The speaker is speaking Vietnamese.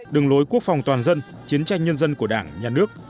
đường lối quốc phòng toàn dân chiến tranh nhân dân của đảng nhà nước